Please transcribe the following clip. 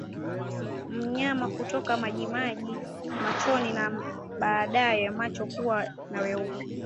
Mnyama kutokwa majimaji machoni na baadaye macho kuwa na weupe